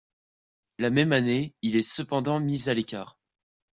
La même année, il est cependant mis à l'écart.